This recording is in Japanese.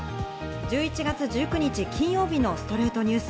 １１月１９日、金曜日の『ストレイトニュース』。